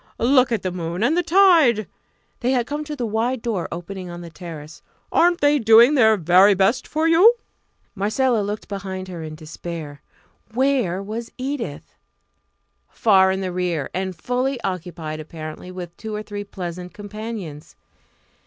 Look at the moon! and the tide" they had come to the wide door opening on the terrace "aren't they doing their very best for you?" Marcella looked behind her in despair. Where was Edith? Far in the rear! and fully occupied apparently with two or three pleasant companions.